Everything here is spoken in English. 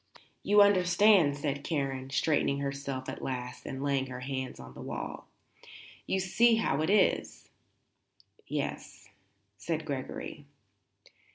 "You understand," said Karen, straightening herself at last and laying her hands on the wall. "You see how it is." "Yes," said Gregory.